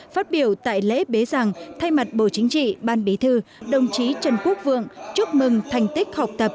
phát biểu tại lễ bế rằng thay mặt bộ chính trị ban bí thư đồng chí trần quốc vượng chúc mừng thành tích học tập